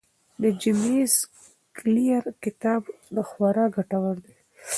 د جیمز کلیر کتاب خورا ګټور دی.